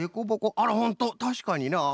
あらほんとたしかになあ。